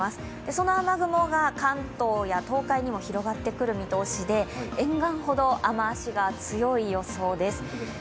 その雨雲が関東や東海にも広がってくる見通しで沿岸ほど雨足が強い予想です。